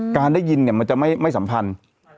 การได้ยินเนี่ยมันจะไม่สัมพันธ์